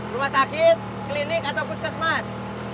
rumah sakit klinik atau puskesmas